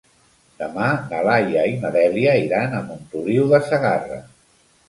Demà na Laia i na Dèlia iran a Montoliu de Segarra.